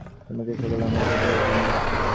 তোমরা সকলে আমার ভালবাসা জানবে।